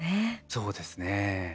そうですね。